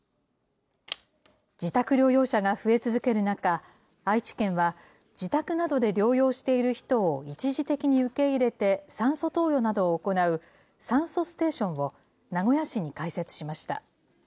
自宅療養者が増え続ける中、愛知県は、自宅などで療養している人を、一時的に受け入れて酸素投与などを行う酸素ステーションを、名古屋市に開設しました。